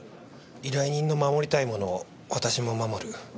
依頼人の守りたいものを私も守る。